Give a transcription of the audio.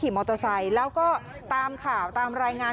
มอเตอร์ไซค์แล้วก็ตามข่าวตามรายงาน